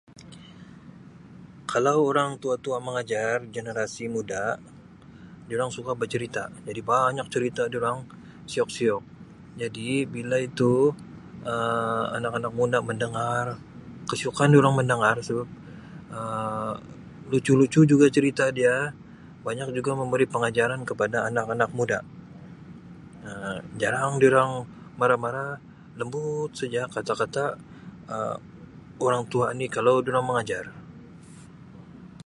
Kalau orang tua-tua mengajar generasi muda durang suka bercerita jadi banyak cerita durang siok-siok. Jadi bila itu Um anak-anak muda mendengar kesiukan durang mendengar sebab Um lucu-lucu juga cerita dia, banyak juga memberi pengajaran kepada anak-anak muda. Um Jarang durang marah-marah, lembut saja kata-kata Um orang tua ni kalau durang mengajar.